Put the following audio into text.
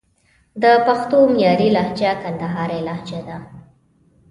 د پښتو معیاري لهجه کندهارۍ لجه ده